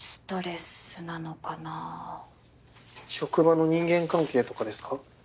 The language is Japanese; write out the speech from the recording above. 職場の人間関係とかですか？